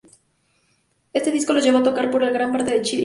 Este disco los llevó a tocar por gran parte de Chile.